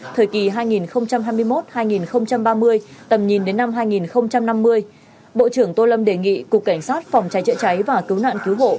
thời kỳ hai nghìn hai mươi một hai nghìn ba mươi tầm nhìn đến năm hai nghìn năm mươi bộ trưởng tô lâm đề nghị cục cảnh sát phòng cháy chữa cháy và cứu nạn cứu hộ